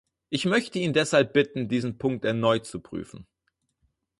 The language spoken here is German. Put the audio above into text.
Ich möchte ihn deshalb bitten, diesen Punkt erneut zu prüfen.